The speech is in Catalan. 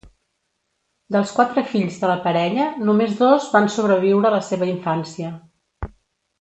Dels quatre fills de la parella només dos van sobreviure la seva infància.